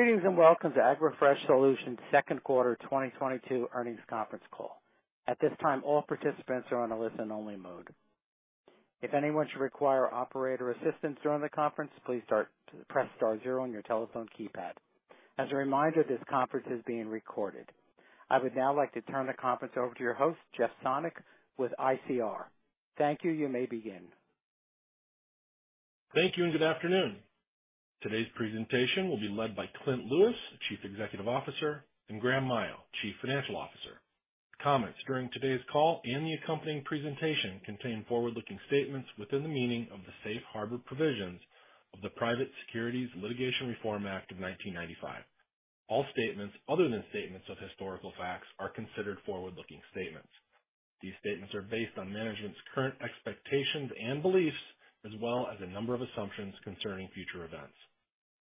Good evening, and welcome to AgroFresh Solutions second quarter 2022 earnings conference call. At this time, all participants are in a listen-only mode. If anyone should require operator assistance during the conference, please press star zero on your telephone keypad. As a reminder, this conference is being recorded. I would now like to turn the conference over to your host, Jeff Sonnek with ICR. Thank you. You may begin. Thank you and good afternoon. Today's presentation will be led by Clint Lewis, Chief Executive Officer, and Graham Miao, Chief Financial Officer. Comments during today's call and the accompanying presentation contain forward-looking statements within the meaning of the Safe Harbor Provisions of the Private Securities Litigation Reform Act of 1995. All statements other than statements of historical facts are considered forward-looking statements. These statements are based on management's current expectations and beliefs, as well as a number of assumptions concerning future events.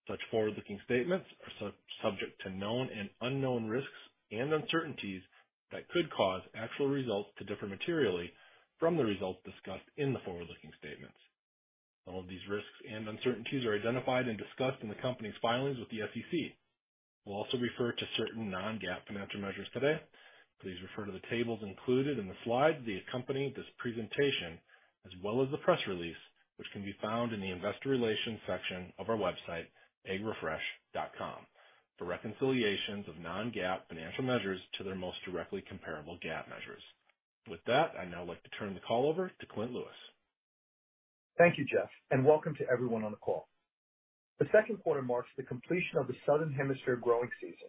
Such forward-looking statements are subject to known and unknown risks and uncertainties that could cause actual results to differ materially from the results discussed in the forward-looking statements. Some of these risks and uncertainties are identified and discussed in the company's filings with the SEC. We'll also refer to certain non-GAAP financial measures today. Please refer to the tables included in the slides that accompany this presentation, as well as the press release, which can be found in the investor relations section of our website, agrofresh.com, for reconciliations of non-GAAP financial measures to their most directly comparable GAAP measures. With that, I'd now like to turn the call over to Clint Lewis. Thank you, Jeff, and welcome to everyone on the call. The second quarter marks the completion of the Southern Hemisphere growing season,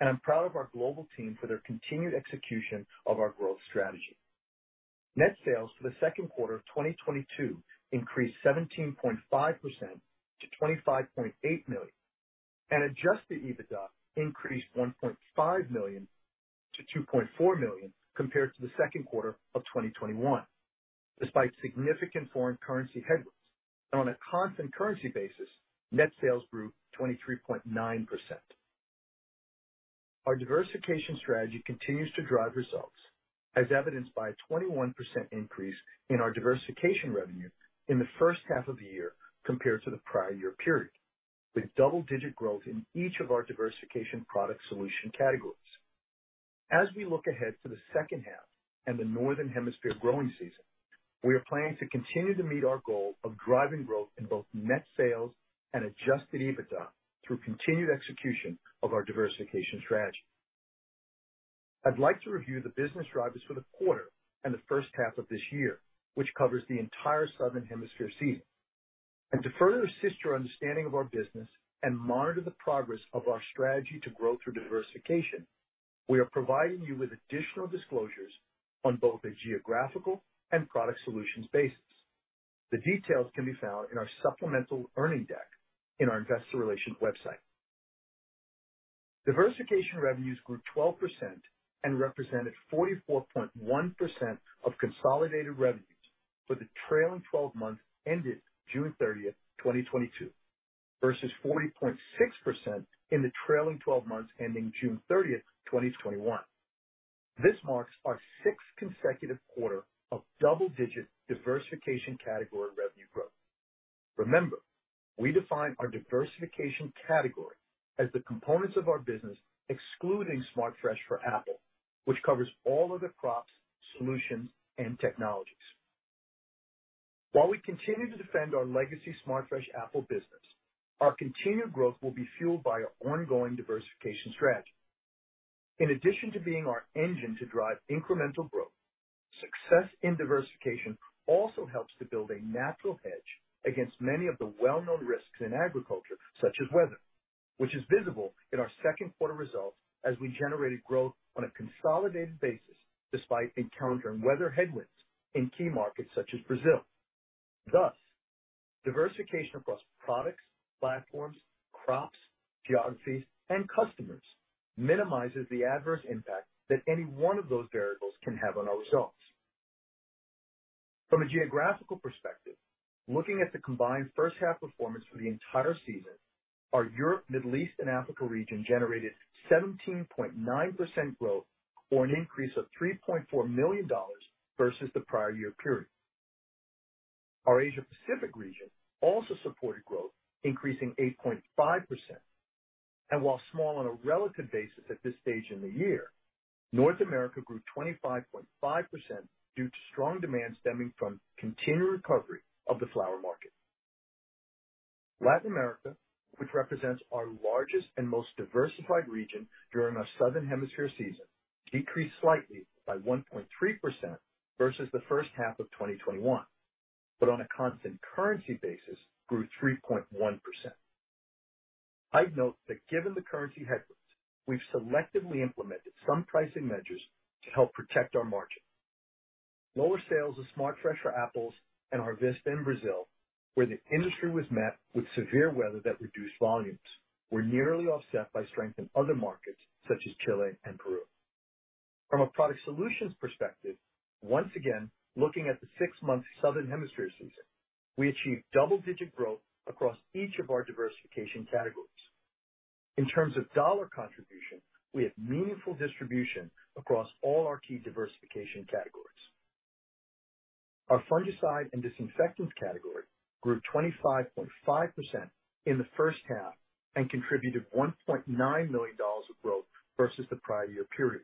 and I'm proud of our global team for their continued execution of our growth strategy. Net sales for the second quarter of 2022 increased 17.5% to $25.8 million, and adjusted EBITDA increased $1.5 million to $2.4 million compared to the second quarter of 2021, despite significant foreign currency headwinds. On a constant currency basis, net sales grew 23.9%. Our diversification strategy continues to drive results, as evidenced by a 21% increase in our diversification revenue in the first half of the year compared to the prior year period, with double-digit growth in each of our diversification product solution categories. As we look ahead to the second half and the Northern Hemisphere growing season, we are planning to continue to meet our goal of driving growth in both net sales and adjusted EBITDA through continued execution of our diversification strategy. I'd like to review the business drivers for the quarter and the first half of this year, which covers the entire Southern Hemisphere season. To further assist your understanding of our business and monitor the progress of our strategy to grow through diversification, we are providing you with additional disclosures on both a geographical and product solutions basis. The details can be found in our supplemental earnings deck in our investor relations website. Diversification revenues grew 12% and represented 44.1% of consolidated revenues for the trailing twelve months ended June thirtieth, 2022, versus 40.6% in the trailing twelve months ending June 30th, 2021. This marks our sixth consecutive quarter of double-digit diversification category revenue growth. Remember, we define our diversification category as the components of our business excluding SmartFresh for Apple, which covers all other crops, solutions, and technologies. While we continue to defend our legacy SmartFresh Apple business, our continued growth will be fueled by our ongoing diversification strategy. In addition to being our engine to drive incremental growth, success in diversification also helps to build a natural hedge against many of the well-known risks in agriculture, such as weather, which is visible in our second quarter results as we generated growth on a consolidated basis despite encountering weather headwinds in key markets such as Brazil. Thus, diversification across products, platforms, crops, geographies, and customers minimizes the adverse impact that any one of those variables can have on our results. From a geographical perspective, looking at the combined first half performance for the entire season, our Europe, Middle East, and Africa region generated 17.9% growth or an increase of $3.4 million versus the prior year period. Our Asia Pacific region also supported growth, increasing 8.5%. While small on a relative basis at this stage in the year, North America grew 25.5% due to strong demand stemming from continued recovery of the flower market. Latin America, which represents our largest and most diversified region during our Southern Hemisphere season, decreased slightly by 1.3% versus the first half of 2021, but on a constant currency basis grew 3.1%. I'd note that given the currency headwinds, we've selectively implemented some pricing measures to help protect our margins. Lower sales of SmartFresh for apples and Harvista in Brazil, where the industry was met with severe weather that reduced volumes, were nearly offset by strength in other markets such as Chile and Peru. From a product solutions perspective, once again, looking at the six-month Southern Hemisphere season, we achieved double-digit growth across each of our diversification categories. In terms of dollar contribution, we have meaningful distribution across all our key diversification categories. Our fungicide and disinfectants category grew 25.5% in the first half and contributed $1.9 million of growth versus the prior year period.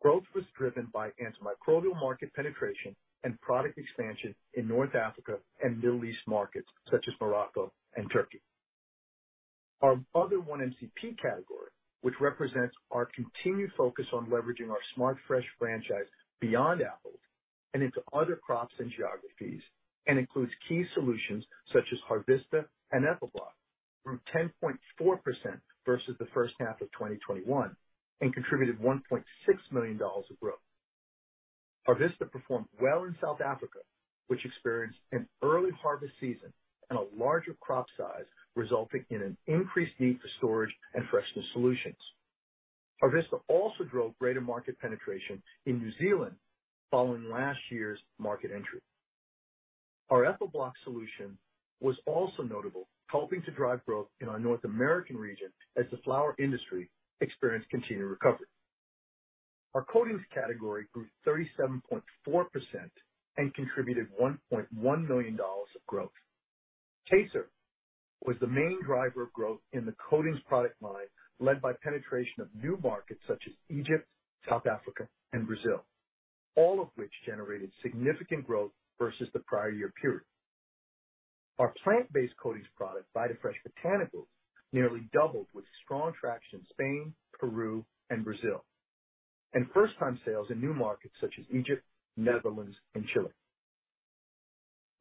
Growth was driven by antimicrobial market penetration and product expansion in North Africa and Middle East markets such as Morocco and Turkey. Our other 1-MCP category, which represents our continued focus on leveraging our SmartFresh franchise beyond apple and into other crops and geographies, and includes key solutions such as Harvista and EthylBloc, grew 10.4% versus the first half of 2021 and contributed $1.6 million of growth. Harvista performed well in South Africa, which experienced an early harvest season and a larger crop size, resulting in an increased need for storage and freshness solutions. Harvista also drove greater market penetration in New Zealand following last year's market entry. Our EthylBloc solution was also notable, helping to drive growth in our North American region as the flower industry experienced continued recovery. Our coatings category grew 37.4% and contributed $1.1 million of growth. Teycer was the main driver of growth in the coatings product line, led by penetration of new markets such as Egypt, South Africa, and Brazil, all of which generated significant growth versus the prior year period. Our plant-based coatings product, VitaFresh Botanicals, nearly doubled with strong traction in Spain, Peru, and Brazil, and first time sales in new markets such as Egypt, Netherlands, and Chile.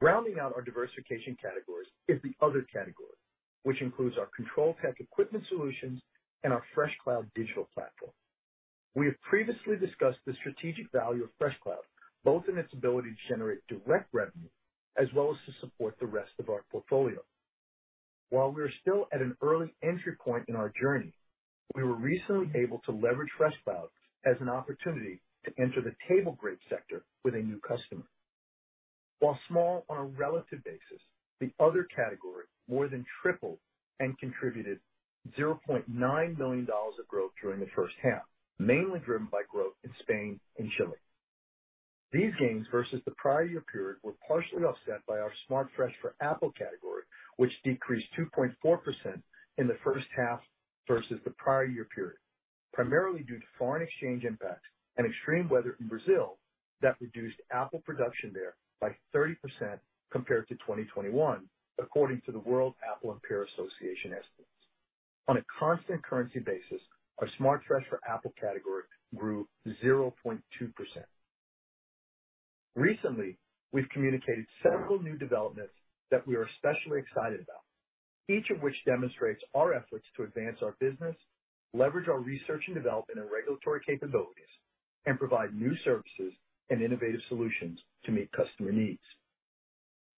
Rounding out our diversification categories is the other category, which includes our Control-Tec equipment solutions and our FreshCloud digital platform. We have previously discussed the strategic value of FreshCloud, both in its ability to generate direct revenue as well as to support the rest of our portfolio. While we are still at an early entry point in our journey, we were recently able to leverage FreshCloud as an opportunity to enter the table grape sector with a new customer. While small on a relative basis, the other category more than tripled and contributed $0.9 million of growth during the first half, mainly driven by growth in Spain and Chile. These gains versus the prior year period were partially offset by our SmartFresh for Apple category, which decreased 2.4% in the first half versus the prior year period, primarily due to foreign exchange impacts and extreme weather in Brazil that reduced apple production there by 30% compared to 2021 according to the World Apple and Pear Association estimates. On a constant currency basis, our SmartFresh for Apple category grew 0.2%. Recently, we've communicated several new developments that we are especially excited about, each of which demonstrates our efforts to advance our business, leverage our research and development and regulatory capabilities, and provide new services and innovative solutions to meet customer needs.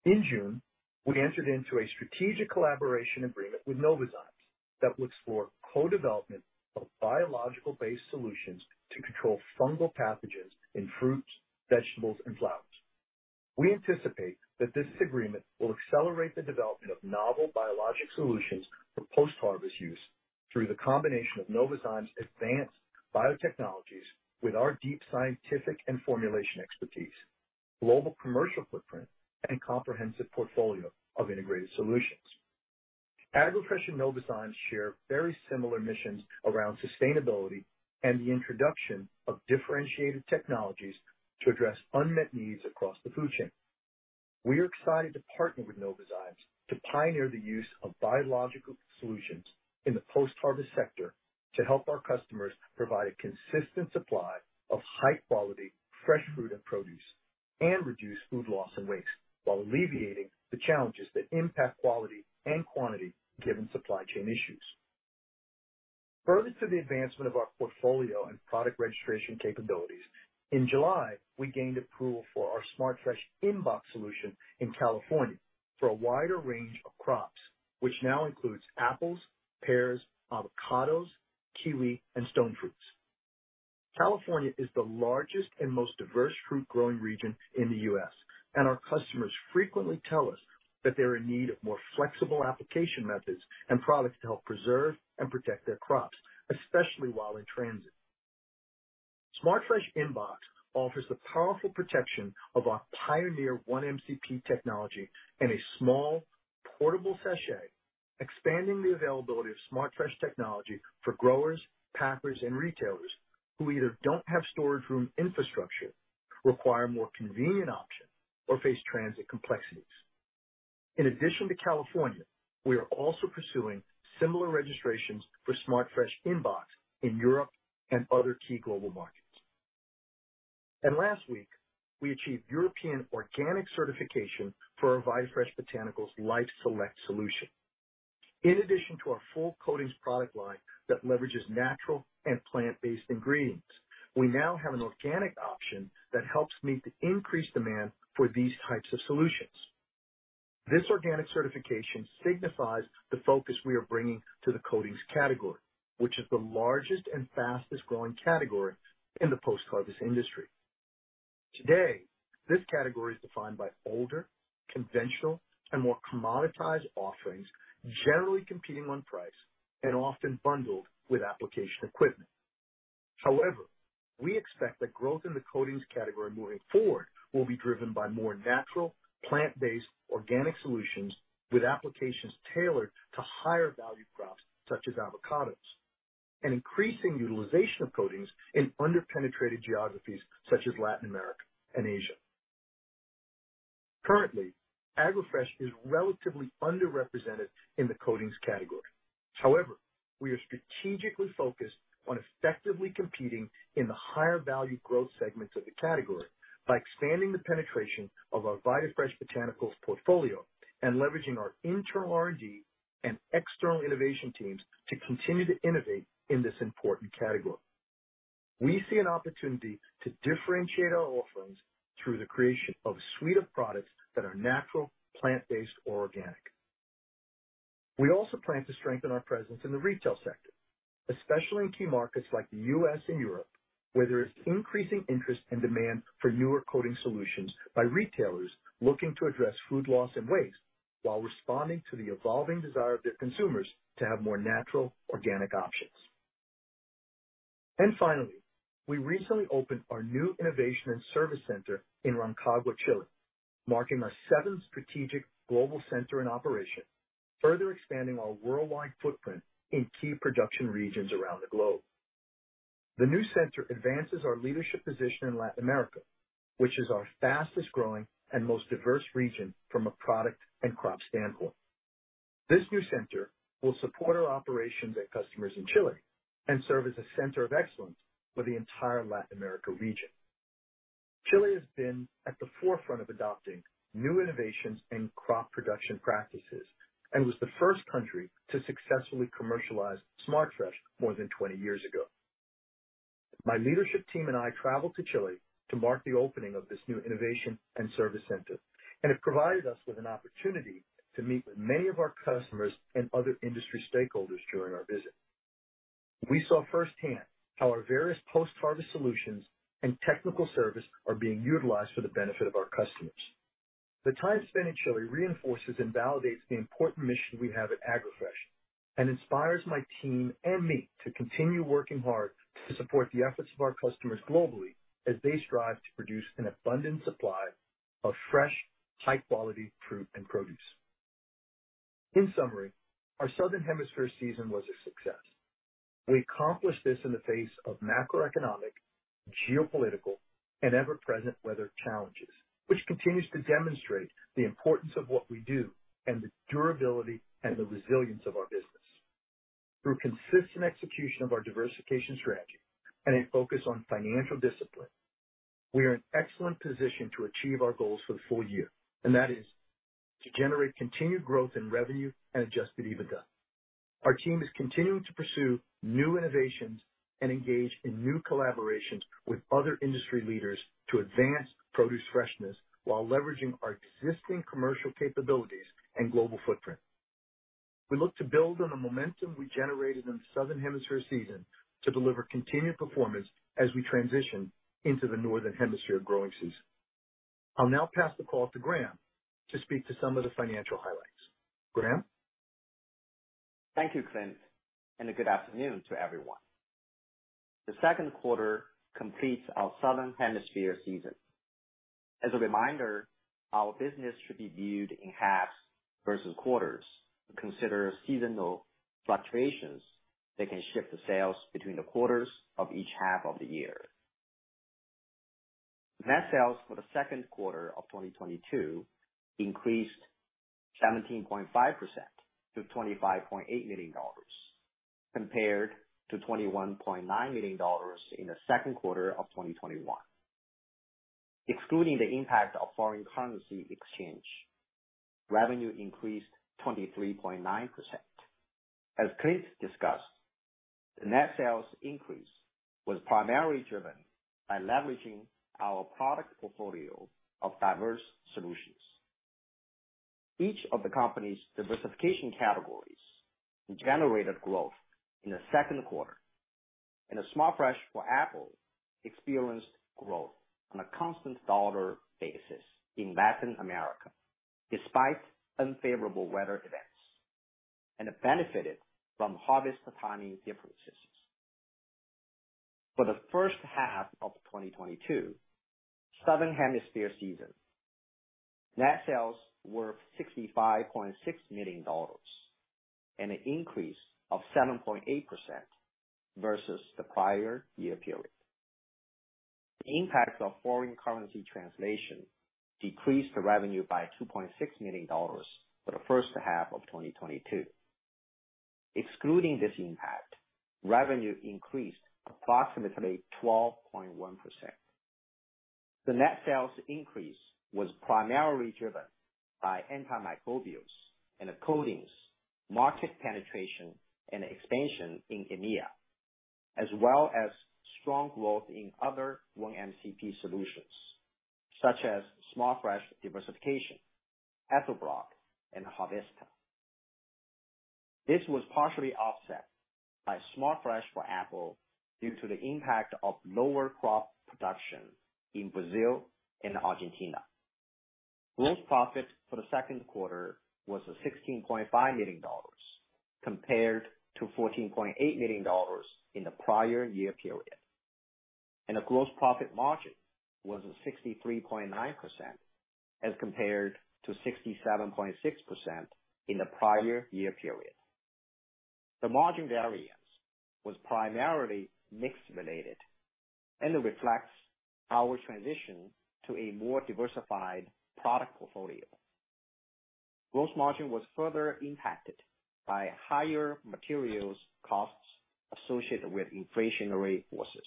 In June, we entered into a strategic collaboration agreement with Novozymes that will explore co-development of biological-based solutions to control fungal pathogens in fruits, vegetables, and flowers. We anticipate that this agreement will accelerate the development of novel biologic solutions for post-harvest use through the combination of Novozymes' advanced biotechnologies with our deep scientific and formulation expertise, global commercial footprint, and comprehensive portfolio of integrated solutions. AgroFresh and Novozymes share very similar missions around sustainability and the introduction of differentiated technologies to address unmet needs across the food chain. We are excited to partner with Novozymes to pioneer the use of biological solutions in the post-harvest sector to help our customers provide a consistent supply of high quality fresh fruit and produce, and reduce food loss and waste while alleviating the challenges that impact quality and quantity given supply chain issues. Further to the advancement of our portfolio and product registration capabilities, in July, we gained approval for our SmartFresh InBox solution in California for a wider range of crops, which now includes apples, pears, avocados, kiwi, and stone fruits. California is the largest and most diverse fruit growing region in the U.S., and our customers frequently tell us that they're in need of more flexible application methods and products to help preserve and protect their crops, especially while in transit. SmartFresh InBox offers the powerful protection of our pioneer 1-MCP technology in a small, portable sachet, expanding the availability of SmartFresh technology for growers, packers, and retailers who either don't have storage room infrastructure, require more convenient option or face transit complexities. In addition to California, we are also pursuing similar registrations for SmartFresh InBox in Europe and other key global markets. Last week, we achieved European organic certification for our VitaFresh Botanicals Life Select solution. In addition to our full coatings product line that leverages natural and plant-based ingredients, we now have an organic option that helps meet the increased demand for these types of solutions. This organic certification signifies the focus we are bringing to the coatings category, which is the largest and fastest growing category in the post-harvest industry. Today, this category is defined by older, conventional and more commoditized offerings, generally competing on price and often bundled with application equipment. However, we expect that growth in the coatings category moving forward will be driven by more natural, plant-based organic solutions with applications tailored to higher value crops such as avocados. Increasing utilization of coatings in under-penetrated geographies such as Latin America and Asia. Currently, AgroFresh is relatively underrepresented in the coatings category. However, we are strategically focused on effectively competing in the higher value growth segments of the category by expanding the penetration of our VitaFresh Botanicals portfolio and leveraging our internal R&D and external innovation teams to continue to innovate in this important category. We see an opportunity to differentiate our offerings through the creation of a suite of products that are natural, plant-based or organic. We also plan to strengthen our presence in the retail sector, especially in key markets like the U.S. and Europe, where there is increasing interest and demand for newer coating solutions by retailers looking to address food loss and waste while responding to the evolving desire of their consumers to have more natural organic options. Finally, we recently opened our new innovation and service center in Rancagua, Chile, marking our seventh strategic global center in operation, further expanding our worldwide footprint in key production regions around the globe. The new center advances our leadership position in Latin America, which is our fastest growing and most diverse region from a product and crop standpoint. This new center will support our operations and customers in Chile and serve as a center of excellence for the entire Latin America region. Chile has been at the forefront of adopting new innovations in crop production practices and was the first country to successfully commercialize SmartFresh more than 20 years ago. My leadership team and I traveled to Chile to mark the opening of this new innovation and service center, and it provided us with an opportunity to meet with many of our customers and other industry stakeholders during our visit. We saw firsthand how our various post-harvest solutions and technical service are being utilized for the benefit of our customers. The time spent in Chile reinforces and validates the important mission we have at AgroFresh and inspires my team and me to continue working hard to support the efforts of our customers globally as they strive to produce an abundant supply of fresh, high quality fruit and produce. In summary, our Southern Hemisphere season was a success. We accomplished this in the face of macroeconomic, geopolitical, and ever-present weather challenges, which continues to demonstrate the importance of what we do and the durability and the resilience of our business. Through consistent execution of our diversification strategy and a focus on financial discipline, we are in excellent position to achieve our goals for the full year, and that is to generate continued growth in revenue and adjusted EBITDA. Our team is continuing to pursue new innovations and engage in new collaborations with other industry leaders to advance produce freshness while leveraging our existing commercial capabilities and global footprint. We look to build on the momentum we generated in the Southern Hemisphere season to deliver continued performance as we transition into the Northern Hemisphere growing season. I'll now pass the call to Graham to speak to some of the financial highlights. Graham? Thank you, Clint, and a good afternoon to everyone. The second quarter completes our Southern Hemisphere season. As a reminder, our business should be viewed in halves versus quarters to consider seasonal fluctuations that can shift the sales between the quarters of each half of the year. Net sales for the second quarter of 2022 increased 17.5% to $25.8 million, compared to $21.9 million in the second quarter of 2021. Excluding the impact of foreign currency exchange, revenue increased 23.9%. As Clint discussed, the net sales increase was primarily driven by leveraging our product portfolio of diverse solutions. Each of the company's diversification categories generated growth in the second quarter. The SmartFresh for Apple experienced growth on a constant dollar basis in Latin America, despite unfavorable weather events, and it benefited from harvest timing differences. For the first half of 2022, Southern Hemisphere season, net sales were $65.6 million, an increase of 7.8% versus the prior year period. The impact of foreign currency translation decreased the revenue by $2.6 million for the first half of 2022. Excluding this impact, revenue increased approximately 12.1%. The net sales increase was primarily driven by antimicrobials and the coatings market penetration and expansion in EMEA, as well as strong growth in other 1-MCP solutions such as SmartFresh diversification, EthylBloc and Harvista. This was partially offset by SmartFresh for apples due to the impact of lower crop production in Brazil and Argentina. Gross profit for the second quarter was $16.5 million compared to $14.8 million in the prior year period. A gross profit margin was 63.9% as compared to 67.6% in the prior year period. The margin variance was primarily mix related, and it reflects our transition to a more diversified product portfolio. Gross margin was further impacted by higher materials costs associated with inflationary forces,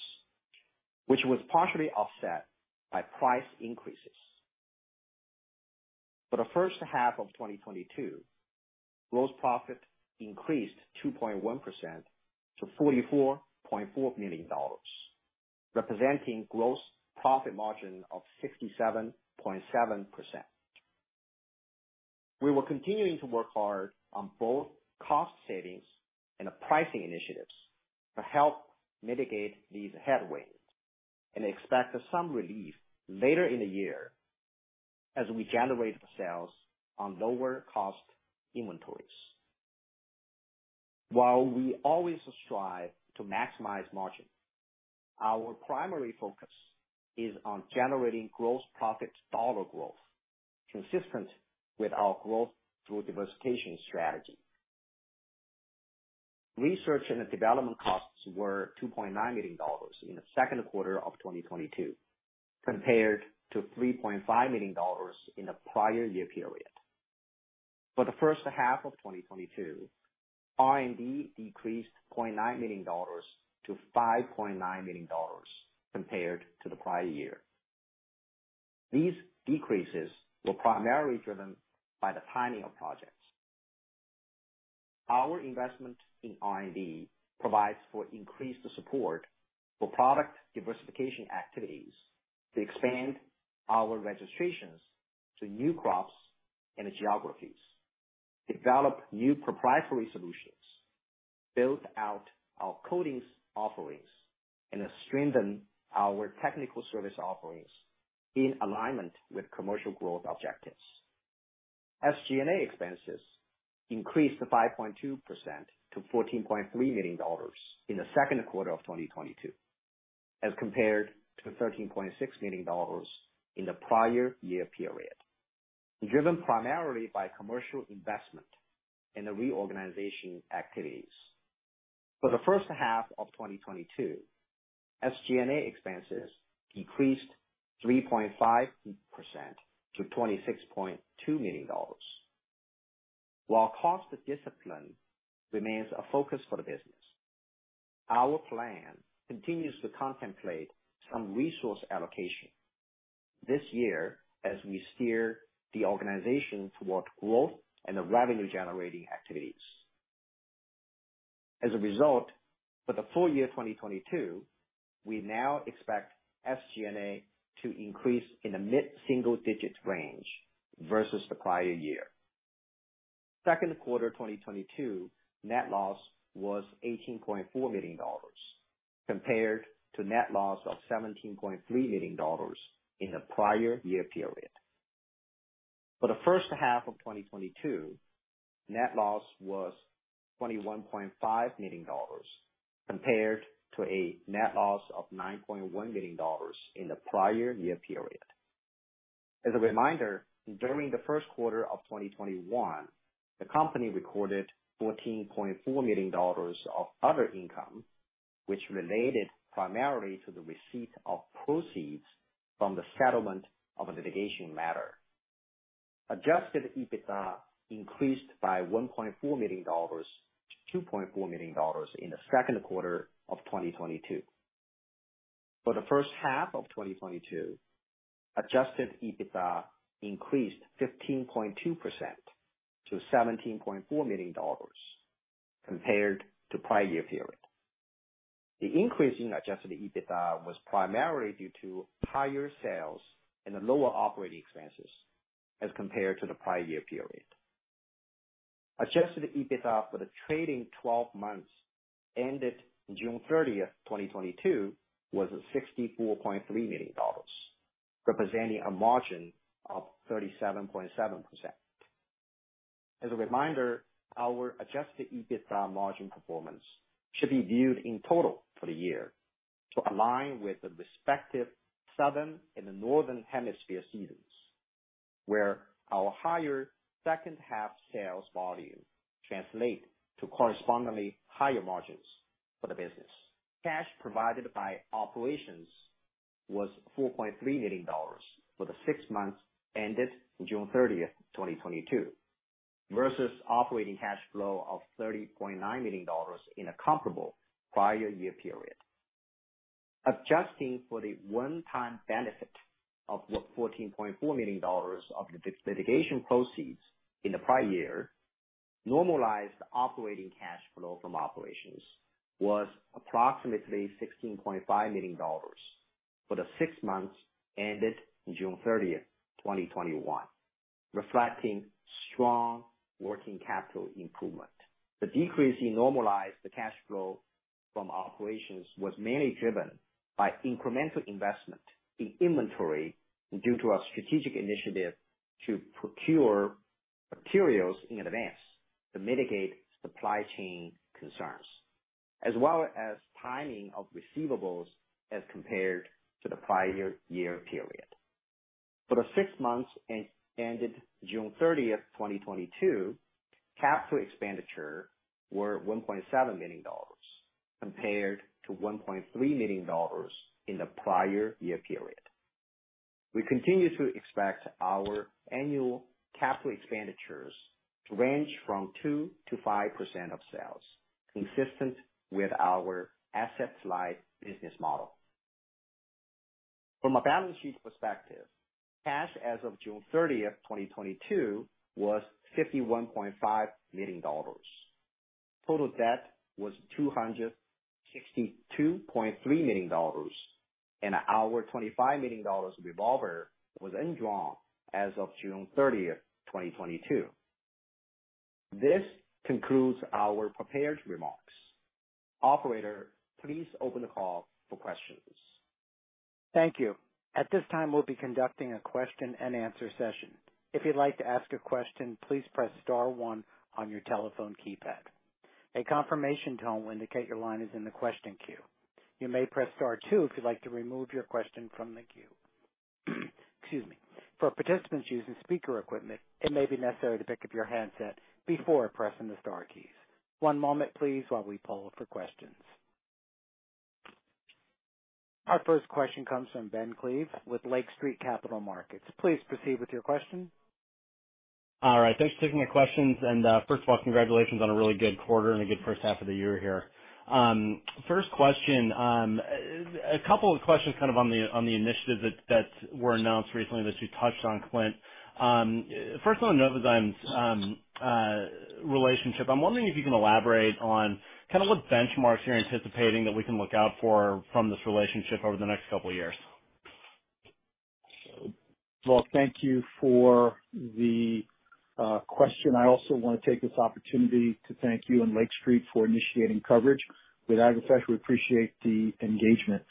which was partially offset by price increases. For the first half of 2022, gross profit increased 2.1% to $44.4 million, representing gross profit margin of 67.7%. We were continuing to work hard on both cost savings and pricing initiatives to help mitigate these headwinds and expect some relief later in the year as we generate sales on lower cost inventories. While we always strive to maximize margin, our primary focus is on generating gross profit dollar growth consistent with our growth through diversification strategy. Research and development costs were $2.9 million in the second quarter of 2022, compared to $3.5 million in the prior year period. For the first half of 2022, R&D decreased $0.9 million to $5.9 million compared to the prior year. These decreases were primarily driven by the timing of projects. Our investment in R&D provides for increased support for product diversification activities to expand our registrations to new crops and geographies, develop new proprietary solutions, build out our coatings offerings, and strengthen our technical service offerings in alignment with commercial growth objectives. SG&A expenses increased 5.2% to $14.3 million in the second quarter of 2022, as compared to $13.6 million in the prior year period, driven primarily by commercial investment in the reorganization activities. For the first half of 2022, SG&A expenses decreased 3.5% to $26.2 million. While cost discipline remains a focus for the business, our plan continues to contemplate some resource allocation this year as we steer the organization toward growth and the revenue generating activities. As a result, for the full year 2022, we now expect SG&A to increase in the mid-single digits range versus the prior year. Second quarter 2022 net loss was $18.4 million compared to net loss of $17.3 million in the prior year period. For the first half of 2022, net loss was $21.5 million compared to a net loss of $9.1 million in the prior year period. As a reminder, during the first quarter of 2021, the company recorded $14.4 million of other income, which related primarily to the receipt of proceeds from the settlement of a litigation matter. Adjusted EBITDA increased by $1.4 million to $2.4 million in the second quarter of 2022. For the first half of 2022, adjusted EBITDA increased 15.2% to $17.4 million compared to prior year period. The increase in adjusted EBITDA was primarily due to higher sales and the lower operating expenses as compared to the prior year period. Adjusted EBITDA for the trading twelve months ended June 30, 2022 was $64.3 million, representing a margin of 37.7%. As a reminder, our adjusted EBITDA margin performance should be viewed in total for the year to align with the respective southern and northern hemisphere seasons, where our higher second half sales volume translate to correspondingly higher margins for the business. Cash provided by operations was $4.3 million for the six months ended June 30, 2022 versus operating cash flow of $30.9 million in a comparable prior year period. Adjusting for the one-time benefit of the $14.4 million of the litigation proceeds in the prior year, normalized operating cash flow from operations was approximately $16.5 million for the six months ended June 30, 2021, reflecting strong working capital improvement. The decrease in normalized cash flow from operations was mainly driven by incremental investment in inventory due to our strategic initiative to procure materials in advance to mitigate supply chain concerns, as well as timing of receivables as compared to the prior year period. For the six months ended June 30, 2022, capital expenditures were $1.7 million compared to $1.3 million in the prior year period. We continue to expect our annual capital expenditures to range from 2%-5% of sales, consistent with our asset-light business model. From a balance sheet perspective, cash as of June 30, 2022 was $51.5 million. Total debt was $262.3 million and our $25 million revolver was undrawn as of June 30, 2022. This concludes our prepared remarks. Operator, please open the call for questions. Thank you. At this time, we'll be conducting a question and answer session. If you'd like to ask a question, please press star one on your telephone keypad. A confirmation tone will indicate your line is in the question queue. You may press star two if you'd like to remove your question from the queue. Excuse me. For participants using speaker equipment, it may be necessary to pick up your handset before pressing the star keys. One moment, please, while we poll for questions. Our first question comes from Ben Klieve with Lake Street Capital Markets. Please proceed with your question. All right, thanks for taking my questions. First of all, congratulations on a really good quarter and a good first half of the year here. First question, a couple of questions kind of on the initiatives that were announced recently that you touched on, Clint. First on Novozymes relationship. I'm wondering if you can elaborate on kind of what benchmarks you're anticipating that we can look out for from this relationship over the next couple of years. Well, thank you for the question. I also want to take this opportunity to thank you and Lake Street for initiating coverage with AgroFresh. We appreciate the engagement.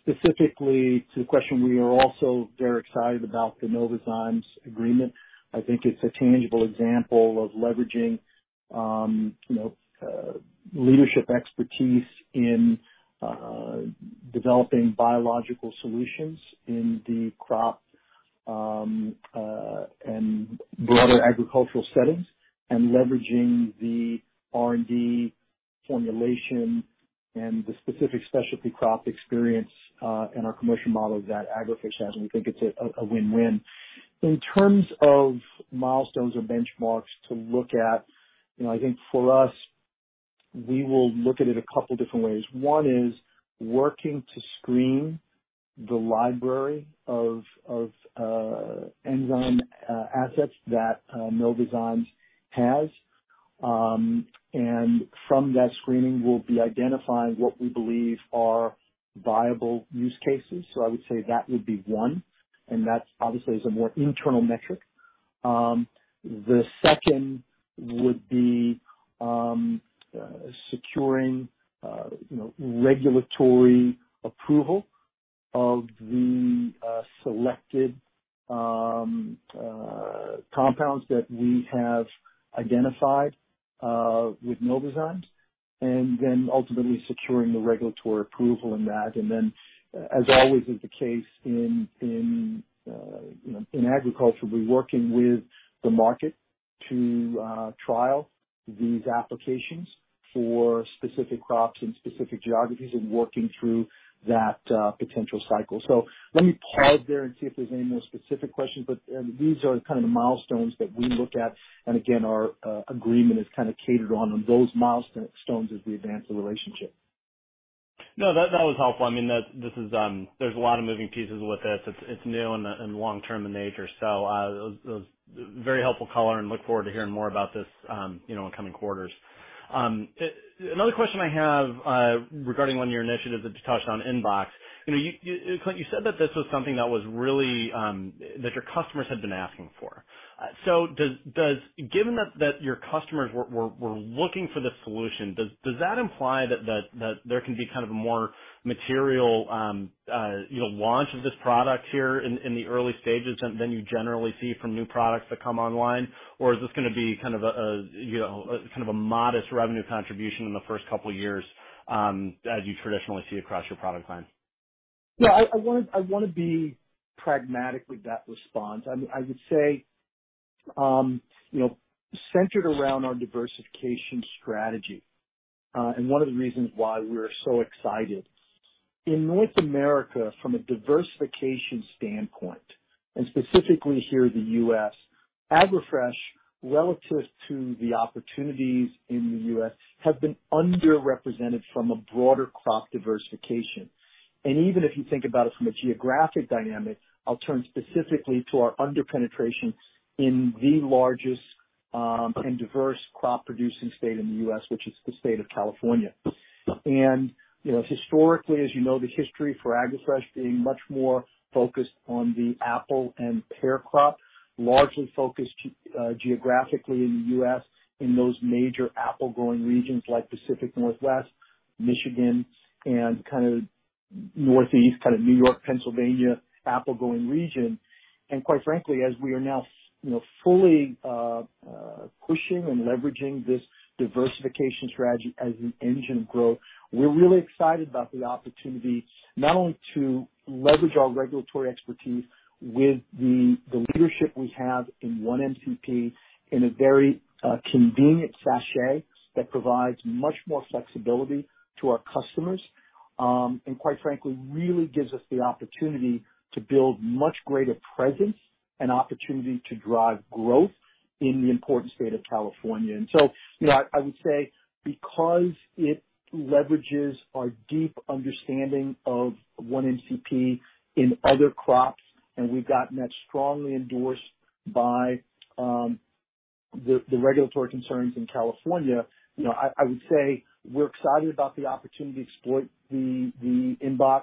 Specifically to the question, we are also very excited about the Novozymes agreement. I think it's a tangible example of leveraging, you know, leadership expertise in developing biological solutions in the crop and broader agricultural settings and leveraging the R&D formulation and the specific specialty crop experience in our commercial model that AgroFresh has. We think it's a win-win. In terms of milestones or benchmarks to look at, you know, I think for us, we will look at it a couple different ways. One is working to screen the library of enzyme assets that Novozymes has. From that screening, we'll be identifying what we believe are viable use cases. I would say that would be one, and that's obviously a more internal metric. The second would be securing, you know, regulatory approval of the selected compounds that we have identified with Novozymes and then ultimately securing the regulatory approval in that. As always is the case in, you know, in agriculture, be working with the market to trial these applications for specific crops and specific geographies and working through that potential cycle. Let me pause there and see if there's any more specific questions. These are kind of the milestones that we look at. Again, our agreement is kind of centered on those milestones as we advance the relationship. No, that was helpful. I mean, this is, there's a lot of moving pieces with this. It's new and long term in nature. It was very helpful color and look forward to hearing more about this, you know, in coming quarters. Another question I have regarding one of your initiatives that you touched on, InBox. You know, Clint, you said that this was something that was really that your customers had been asking for. Given that your customers were looking for this solution, does that imply that there can be kind of a more material, you know, launch of this product here in the early stages than you generally see from new products that come online? Is this gonna be kind of a modest revenue contribution in the first couple of years, as you traditionally see across your product line? Yeah, I wanna be pragmatic with that response. I mean, I would say, you know, centered around our diversification strategy, and one of the reasons why we're so excited. In North America from a diversification standpoint, and specifically here in the U.S., AgroFresh, relative to the opportunities in the U.S., have been underrepresented from a broader crop diversification. Even if you think about it from a geographic dynamic, I'll turn specifically to our under-penetration in the largest and diverse crop producing state in the U.S., which is the state of California. You know, historically, as you know, the history for AgroFresh being much more focused on the apple and pear crop, largely focused geographically in the U.S. in those major apple growing regions like Pacific Northwest, Michigan, and kind of Northeast, kind of New York, Pennsylvania, apple growing region. Quite frankly, as we are now you know, fully pushing and leveraging this diversification strategy as an engine of growth, we're really excited about the opportunity not only to leverage our regulatory expertise with the leadership we have in 1-MCP in a very convenient sachet that provides much more flexibility to our customers, and quite frankly, really gives us the opportunity to build much greater presence and opportunity to drive growth in the important state of California. You know, I would say because it leverages our deep understanding of 1-MCP in other crops, and we've gotten that strongly endorsed by the regulatory agencies in California, you know, I would say we're excited about the opportunity to exploit the InBox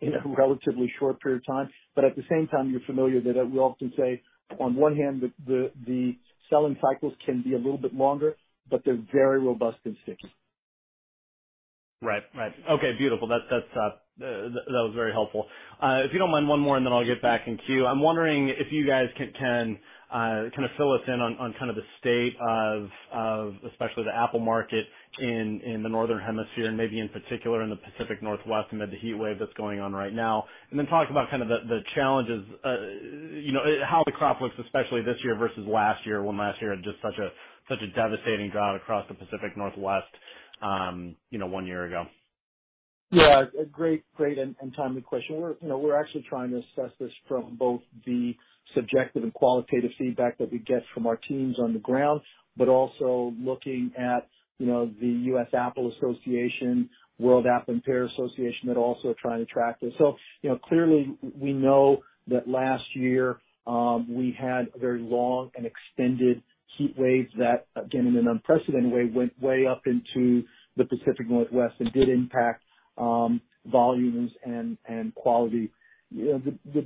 in a relatively short period of time. At the same time, you're familiar that I will often say, on one hand, the selling cycles can be a little bit longer, but they're very robust and sticky. Right. Right. Okay, beautiful. That was very helpful. If you don't mind one more and then I'll get back in queue. I'm wondering if you guys can kind of fill us in on kind of the state of especially the apple market in the Northern Hemisphere and maybe in particular in the Pacific Northwest amid the heat wave that's going on right now. Then talk about kind of the challenges, you know, how the crop looks, especially this year versus last year, when last year had just such a devastating drought across the Pacific Northwest, you know, one year ago. A great and timely question. We're actually trying to assess this from both the subjective and qualitative feedback that we get from our teams on the ground, but also looking at, you know, the U.S. Apple Association, World Apple and Pear Association that also are trying to track this. You know, clearly we know that last year we had a very long and extended heat wave that, again, in an unprecedented way, went way up into the Pacific Northwest and did impact volumes and quality. You know,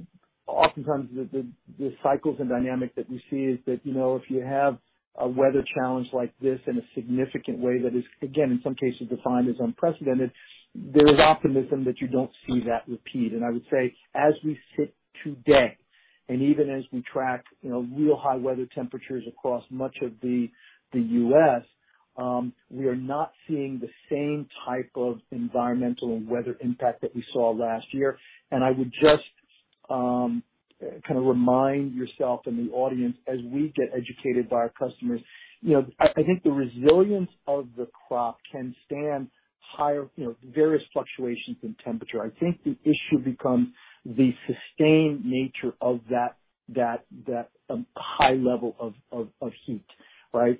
oftentimes the cycles and dynamic that we see is that, you know, if you have a weather challenge like this in a significant way, that is, again, in some cases defined as unprecedented, there is optimism that you don't see that repeat. I would say as we sit today, and even as we track, you know, real high weather temperatures across much of the U.S., we are not seeing the same type of environmental and weather impact that we saw last year. I would just kind of remind yourself and the audience as we get educated by our customers, you know, I think the resilience of the crop can stand higher, you know, various fluctuations in temperature. I think the issue becomes the sustained nature of that high level of heat, right?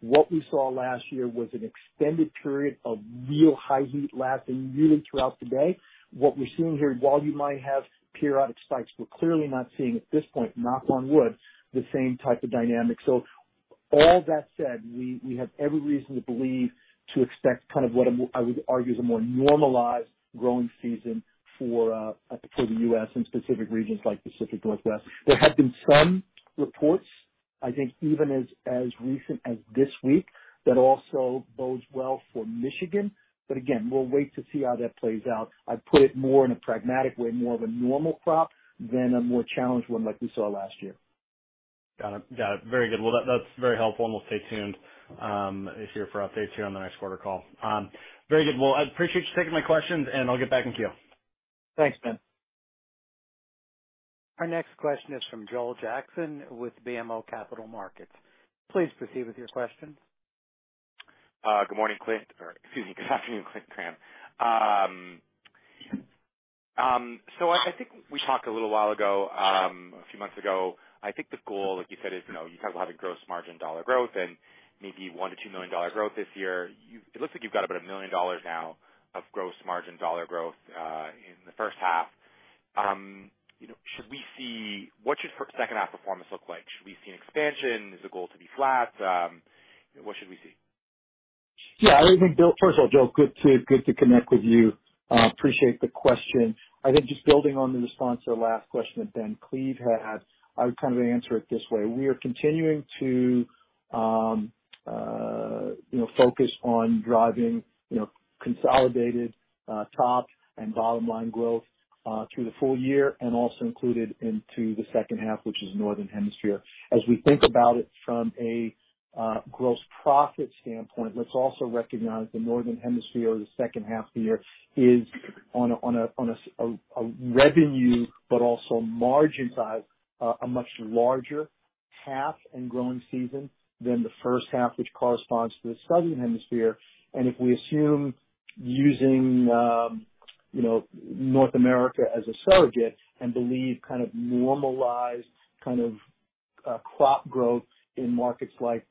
What we saw last year was an extended period of real high heat lasting really throughout the day. What we're seeing here, while you might have periodic spikes, we're clearly not seeing at this point, knock on wood, the same type of dynamic. All that said, we have every reason to believe to expect kind of I would argue is a more normalized growing season for the U.S. in specific regions like Pacific Northwest. There have been some reports, I think even as recent as this week, that also bodes well for Michigan. Again, we'll wait to see how that plays out. I'd put it more in a pragmatic way, more of a normal crop than a more challenged one like we saw last year. Got it. Very good. Well, that's very helpful, and we'll stay tuned for updates here on the next quarter call. Very good. Well, I appreciate you taking my questions and I'll get back in queue. Thanks, Ben. Our next question is from Joel Jackson with BMO Capital Markets. Please proceed with your question. Good morning, Clint. Or excuse me, good afternoon, Clint Lewis. I think we talked a little while ago, a few months ago. I think the goal, like you said, is, you know, you guys will have a gross margin dollar growth and maybe $1 million-$2 million growth this year. It looks like you've got about $1 million now of gross margin dollar growth in the first half. You know, what should second half performance look like? Should we see an expansion? Is the goal to be flat? What should we see? Yeah. I think Bill, first of all, Joel, good to connect with you. Appreciate the question. I think just building on the response to the last question that Ben Klieve had, I would kind of answer it this way. We are continuing to, you know, focus on driving, you know, consolidated top and bottom line growth through the full year and also included into the second half, which is Northern Hemisphere. As we think about it from a gross profit standpoint, let's also recognize the Northern Hemisphere, the second half of the year is on a revenue but also margin side, a much larger half and growing season than the first half, which corresponds to the Southern Hemisphere. If we assume using, you know, North America as a surrogate and believe kind of normalized kind of, crop growth in markets like,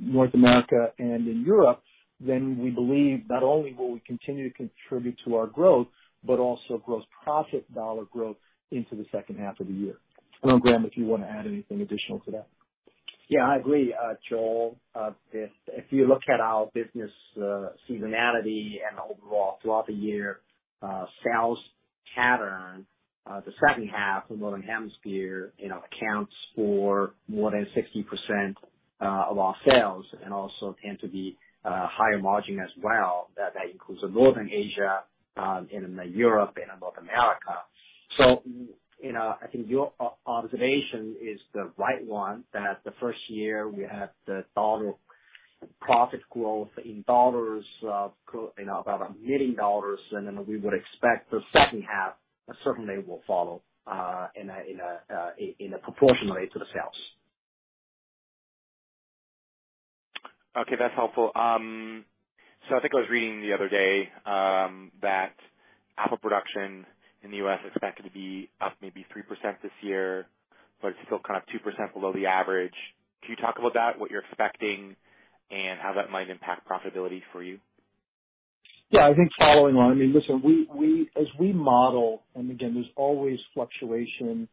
North America and in Europe, then we believe not only will we continue to contribute to our growth, but also gross profit dollar growth into the second half of the year. I don't know, Graham, if you wanna add anything additional to that. Yeah, I agree, Joel. If you look at our business, seasonality and overall throughout the year, sales The pattern, the second half of the northern hemisphere, you know, accounts for more than 60% of our sales and also tend to be higher margin as well. That includes North Asia, Europe, and North America. You know, I think your observation is the right one, that the first half we had the dollar profit growth in dollars, you know, about $1 million, and then we would expect the second half certainly will follow proportionately to the sales. Okay, that's helpful. I think I was reading the other day that apple production in the U.S. expected to be up maybe 3% this year, but it's still kind of 2% below the average. Can you talk about that, what you're expecting and how that might impact profitability for you? Yeah, I think following on, I mean, listen, we as we model, and again, there's always fluctuation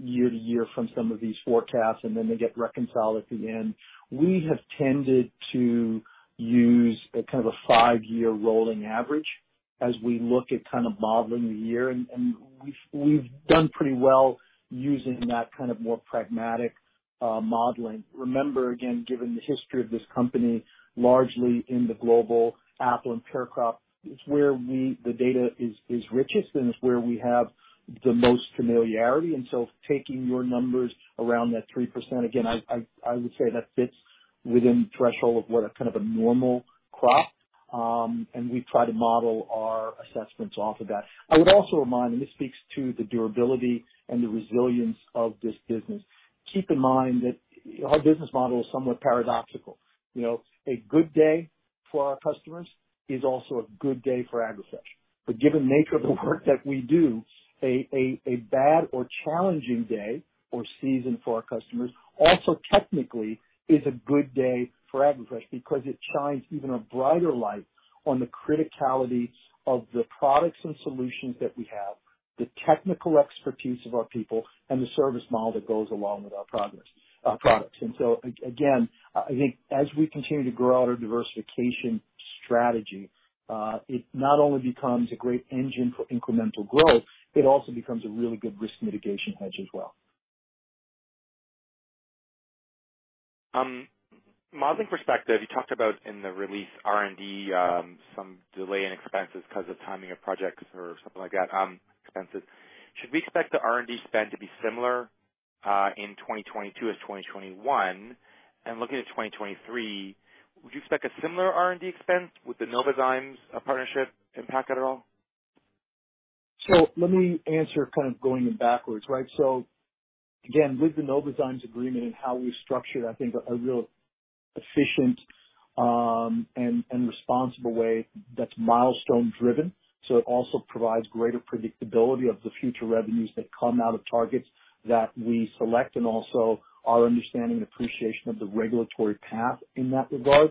year-to-year from some of these forecasts, and then they get reconciled at the end. We have tended to use a kind of a five-year rolling average as we look at kind of modeling the year, and we've done pretty well using that kind of more pragmatic modeling. Remember, again, given the history of this company, largely in the global apple and pear crop, it's where the data is richest and it's where we have the most familiarity. Taking your numbers around that 3%, again, I would say that fits within threshold of what a kind of a normal crop. We try to model our assessments off of that. I would also remind, and this speaks to the durability and the resilience of this business. Keep in mind that our business model is somewhat paradoxical. You know, a good day for our customers is also a good day for AgroFresh. Given the nature of the work that we do, a bad or challenging day or season for our customers also technically is a good day for AgroFresh because it shines even a brighter light on the criticality of the products and solutions that we have, the technical expertise of our people and the service model that goes along with our products. Again, I think as we continue to grow out our diversification strategy, it not only becomes a great engine for incremental growth, it also becomes a really good risk mitigation hedge as well. Modeling perspective, you talked about in the release R&D, some delay in expenses because of timing of projects or something like that, expenses. Should we expect the R&D spend to be similar, in 2022 as 2021? Looking at 2023, would you expect a similar R&D expense with the Novozymes partnership impact at all? Let me answer kind of going backwards, right? Again, with the Novozymes agreement and how we structured, I think, a real efficient, and responsible way that's milestone driven. It also provides greater predictability of the future revenues that come out of targets that we select and also our understanding and appreciation of the regulatory path in that regard.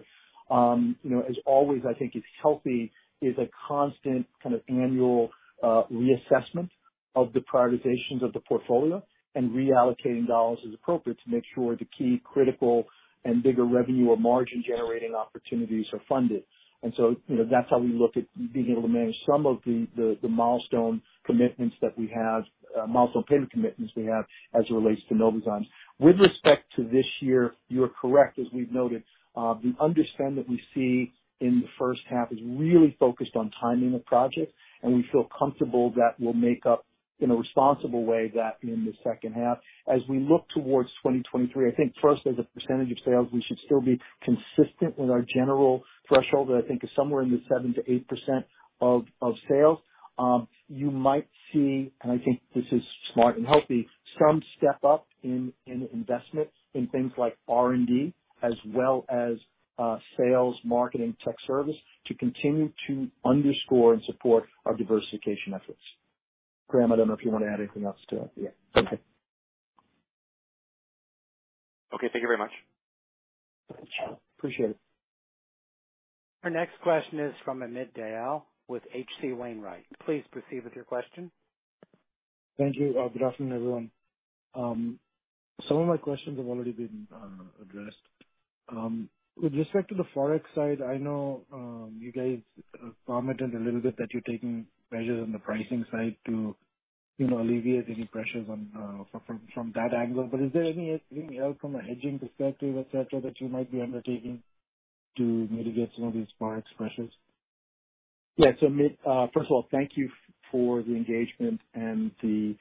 You know, as always, I think it's healthy is a constant kind of annual reassessment of the prioritizations of the portfolio and reallocating dollars as appropriate to make sure the key critical and bigger revenue or margin generating opportunities are funded. You know, that's how we look at being able to manage some of the milestone commitments that we have, milestone payment commitments we have as it relates to Novozymes. With respect to this year, you are correct. As we've noted, the underspend that we see in the first half is really focused on timing of projects, and we feel comfortable that we'll make up in a responsible way that in the second half. As we look towards 2023, I think for us, as a percentage of sales, we should still be consistent with our general threshold. That I think is somewhere in the 7%-8% of sales. You might see, and I think this is smart and healthy, some step up in investment in things like R&D as well as sales, marketing, tech service to continue to underscore and support our diversification efforts. Graham, I don't know if you want to add anything else to. Yeah. Okay. Okay. Thank you very much. Appreciate it. Our next question is from Amit Dayal with H.C. Wainwright. Please proceed with your question. Thank you. Good afternoon, everyone. Some of my questions have already been addressed. With respect to the Forex side, I know you guys commented a little bit that you're taking measures on the pricing side to you know alleviate any pressures on from that angle. Is there anything else from a hedging perspective, et cetera, that you might be undertaking to mitigate some of these Forex pressures? Yeah. Amit, first of all, thank you for the engagement and the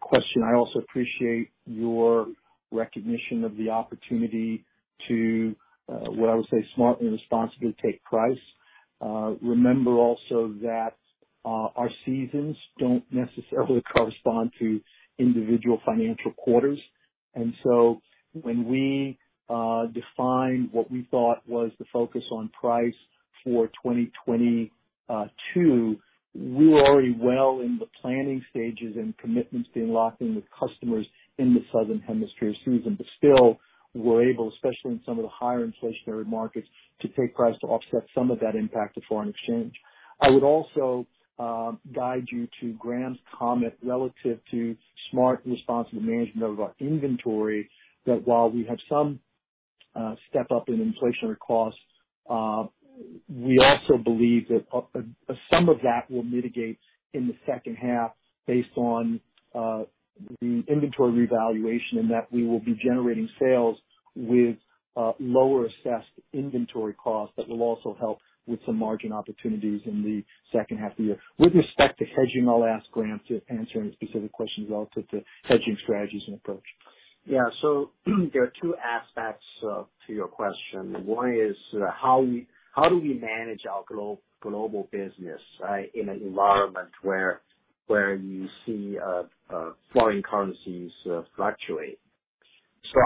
question. I also appreciate your recognition of the opportunity to what I would say smartly and responsibly take price. Remember also that our seasons don't necessarily correspond to individual financial quarters. When we defined what we thought was the focus on price for 2022, we were already well in the planning stages and commitments being locked in with customers in the southern hemisphere season. Still, we're able, especially in some of the higher inflationary markets, to take price to offset some of that impact of foreign exchange. I would also guide you to Graham's comment relative to smart and responsible management of our inventory, that while we have some step up in inflationary costs. We also believe that some of that will mitigate in the second half based on the inventory revaluation and that we will be generating sales with lower assessed inventory costs that will also help with some margin opportunities in the second half of the year. With respect to hedging, I'll ask Graham to answer any specific questions relative to hedging strategies and approach. Yeah. There are two aspects to your question. One is how do we manage our global business, right? In an environment where you see foreign currencies fluctuate.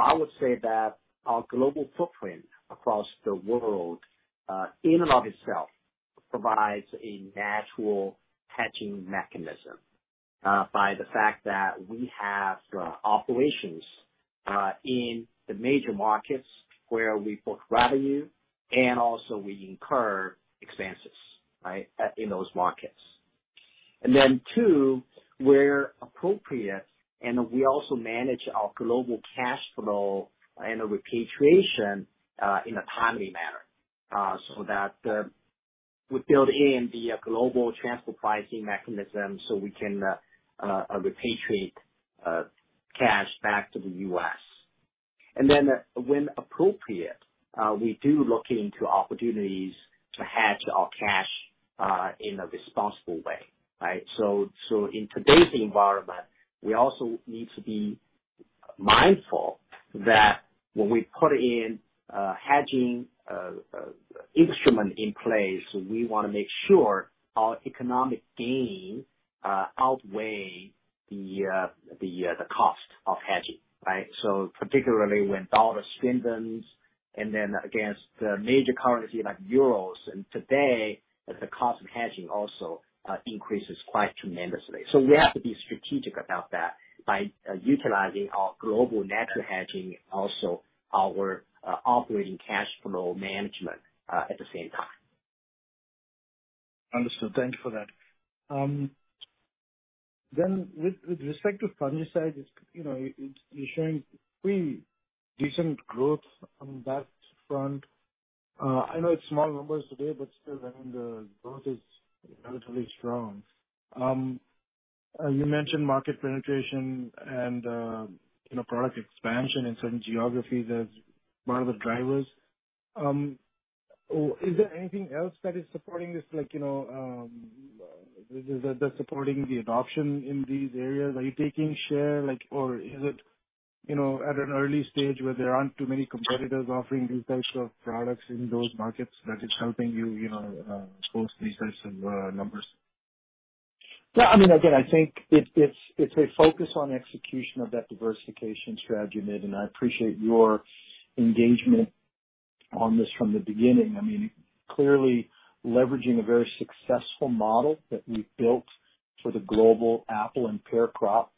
I would say that our global footprint across the world in and of itself provides a natural hedging mechanism by the fact that we have operations in the major markets where we book revenue and also we incur expenses, right? In those markets. Then two, where appropriate, we also manage our global cash flow and repatriation in a timely manner so that we build in the global transfer pricing mechanism so we can repatriate cash back to the U.S. Then when appropriate, we do look into opportunities to hedge our cash in a responsible way, right? In today's environment, we also need to be mindful that when we put in a hedging instrument in place, we wanna make sure our economic gain outweigh the cost of hedging, right? Particularly when dollar strengthens and then against the major currency like euros and today, the cost of hedging also increases quite tremendously. We have to be strategic about that by utilizing our global natural hedging, also our operating cash flow management at the same time. Understood. Thank you for that. With respect to fungicides, you know, it's showing pretty decent growth on that front. I know it's small numbers today, but still, I mean, the growth is relatively strong. You mentioned market penetration and, you know, product expansion in certain geographies as one of the drivers. Is there anything else that is supporting this, like, you know, that's supporting the adoption in these areas? Are you taking share, like, or is it, you know, at an early stage where there aren't too many competitors offering these types of products in those markets that is helping you know, post these types of numbers? Yeah, I mean, again, I think it's a focus on execution of that diversification strategy, Amit, and I appreciate your engagement on this from the beginning. I mean, clearly leveraging a very successful model that we've built for the global apple and pear crop,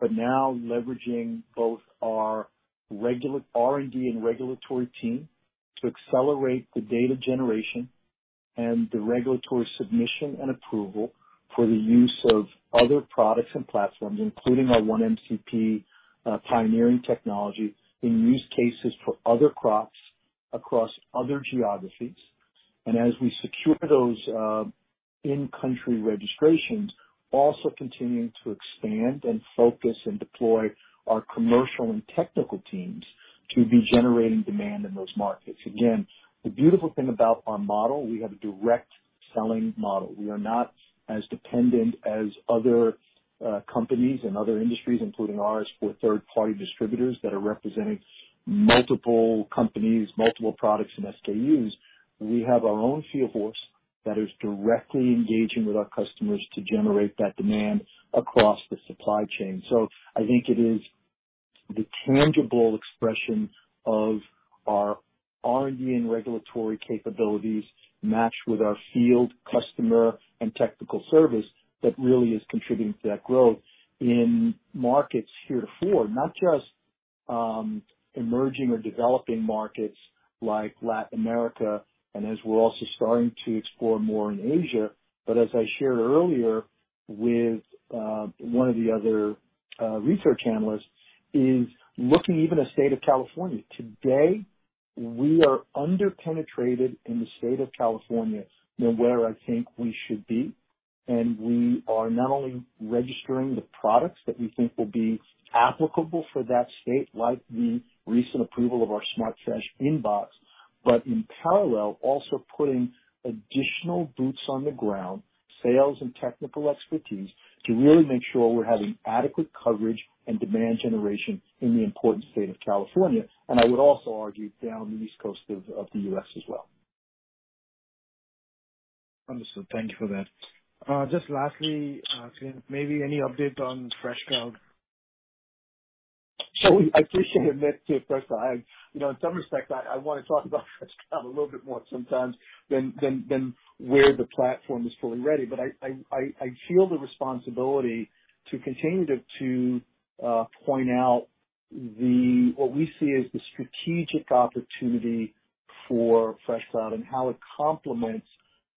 but now leveraging both our R&D and regulatory team to accelerate the data generation and the regulatory submission and approval for the use of other products and platforms, including our 1-MCP pioneering technology in use cases for other crops across other geographies. As we secure those in-country registrations, also continuing to expand and focus and deploy our commercial and technical teams to be generating demand in those markets. Again, the beautiful thing about our model, we have a direct selling model. We are not as dependent as other companies in other industries, including ours, for third-party distributors that are representing multiple companies, multiple products and SKUs. We have our own field force that is directly engaging with our customers to generate that demand across the supply chain. I think it is the tangible expression of our R&D and regulatory capabilities matched with our field customer and technical service that really is contributing to that growth in markets heretofore, not just emerging or developing markets like Latin America, and as we're also starting to explore more in Asia. As I shared earlier with one of the other research analysts, we're looking even at the State of California. Today, we are under-penetrated in the state of California than where I think we should be, and we are not only registering the products that we think will be applicable for that state, like the recent approval of our SmartFresh InBox, but in parallel, also putting additional boots on the ground, sales and technical expertise to really make sure we're having adequate coverage and demand generation in the important state of California, and I would also argue down the East Coast of the U.S. as well. Understood. Thank you for that. Just lastly, maybe any update on FreshCloud? I appreciate, Amit. You know, in some respects, I want to talk about FreshCloud a little bit more sometimes than where the platform is fully ready. I feel the responsibility to continue to point out what we see as the strategic opportunity for FreshCloud and how it complements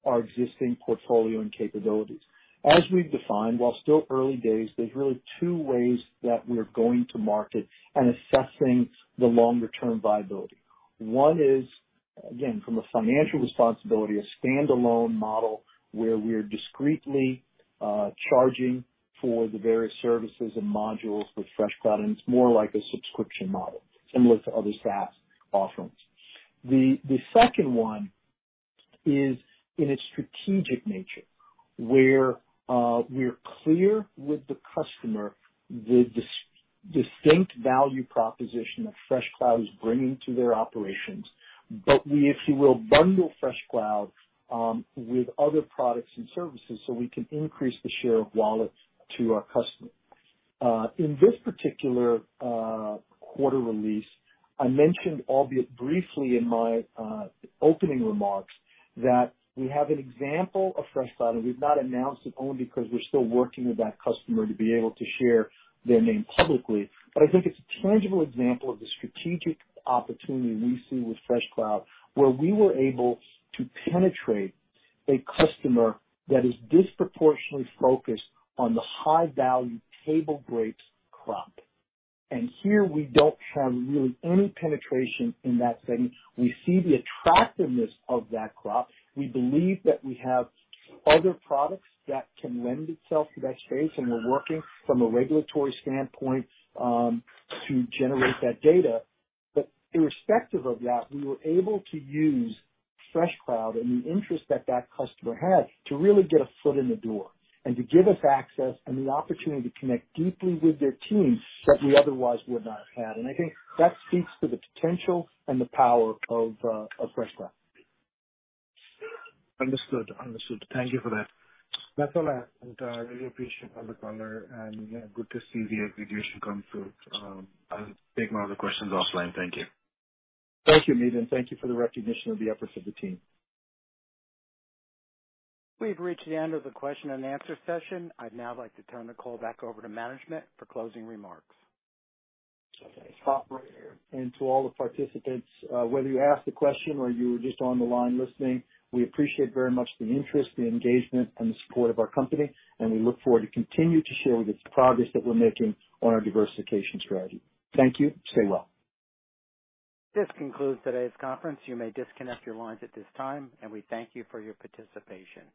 our existing portfolio and capabilities. As we've defined, while still early days, there's really two ways that we are going to market and assessing the longer-term viability. One is, again, from a financial responsibility, a standalone model where we're discretely charging for the various services and modules with FreshCloud, and it's more like a subscription model similar to other SaaS offerings. The second one is in its strategic nature, where we're clear with the customer the distinct value proposition that FreshCloud is bringing to their operations. We, if you will, bundle FreshCloud with other products and services so we can increase the share of wallet to our customer. In this particular quarter release, I mentioned, albeit briefly in my opening remarks, that we have an example of FreshCloud, and we've not announced it only because we're still working with that customer to be able to share their name publicly. I think it's a tangible example of the strategic opportunity we see with FreshCloud, where we were able to penetrate a customer that is disproportionately focused on the high-value table grapes crop. Here we don't have really any penetration in that segment. We see the attractiveness of that crop. We believe that we have other products that can lend itself to that space, and we're working from a regulatory standpoint to generate that data. Irrespective of that, we were able to use FreshCloud and the interest that that customer had to really get a foot in the door and to give us access and the opportunity to connect deeply with their teams that we otherwise would not have had. I think that speaks to the potential and the power of FreshCloud. Understood. Thank you for that. That's all I have. Really appreciate all the color and, yeah, good to see the aggregation come through. I'll take my other questions offline. Thank you. Thank you, Amit, and thank you for the recognition of the efforts of the team. We've reached the end of the question and answer session. I'd now like to turn the call back over to management for closing remarks. Okay. To all the participants, whether you asked a question or you were just on the line listening, we appreciate very much the interest, the engagement, and the support of our company, and we look forward to continue to share with you the progress that we're making on our diversification strategy. Thank you. Stay well. This concludes today's conference. You may disconnect your lines at this time, and we thank you for your participation.